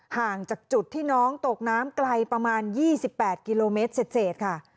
ห่างจากจุดที่น้องตกน้ำไกลประมาณ๒๘กิโลเมตรเศษค่ะ